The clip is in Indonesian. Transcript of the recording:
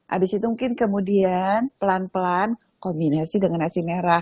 abis itu mungkin kemudian pelan pelan kombinasi dengan nasi merah